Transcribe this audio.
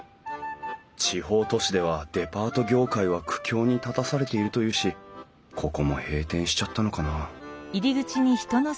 地方都市ではデパート業界は苦境に立たされているというしここも閉店しちゃったのかな？